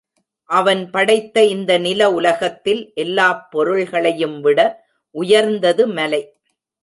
அவன் படைத்த இந்த நில உலகத்தில் எல்லாப் பொருள்களையும்விட உயர்ந்தது மலை.